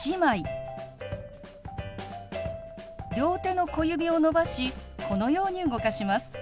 両手の小指を伸ばしこのように動かします。